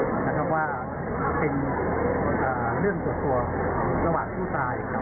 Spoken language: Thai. และก็ไม่ใช่เป็นเรื่องสำคัญผู้สาวแห่งใดนะครับ